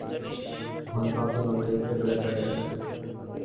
Juan Pablo নামটা ইকুয়েডরে প্রায়ই দেখা যায়।